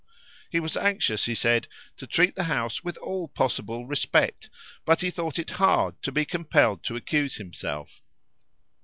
He was anxious, he said, to treat the House with all possible respect, but he thought it hard to be compelled to accuse himself.